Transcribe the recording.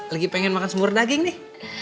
lagi pengen makan sumur daging nih